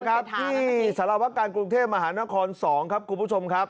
ครับที่สารวการกรุงเทพมหานคร๒ครับคุณผู้ชมครับ